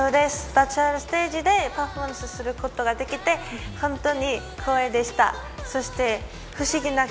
バーチャルステージでパフォーマンスすることができて本当に光栄でした。